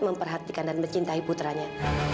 memperhatikan dan mencintai putranya